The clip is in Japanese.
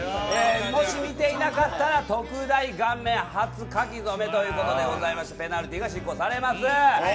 もし見ていなかったら特大顔面書き初めということでございましてペナルティーが執行されます。